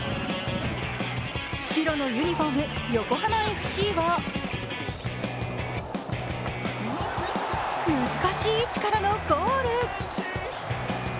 白のユニフォーム、横浜ＦＣは難しい位置からのゴール。